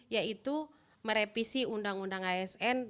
yaitu merevisi undang undang asn